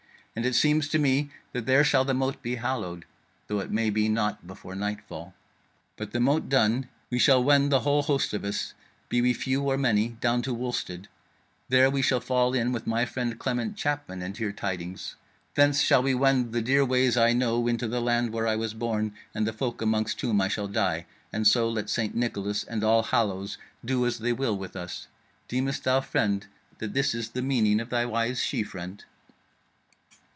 And it seems to me that there shall the mote be hallowed, though it may be not before nightfall. But the mote done, we shall wend, the whole host of us, be we few or many, down to Wulstead, where we shall fall in with my friend Clement Chapman, and hear tidings. Thence shall we wend the dear ways I know into the land where I was born and the folk amongst whom I shall die. And so let St. Nicholas and All Hallows do as they will with us. Deemest thou, friend, that this is the meaning of thy wise she friend?"